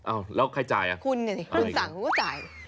อ้าวแล้วใครจ่ายน่ะคุณนี่สิคุณสั่งคุณก็จ่าย